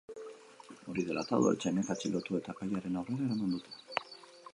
Hori dela eta, udaltzainek atxilotu eta epailearen aurrera eraman dute.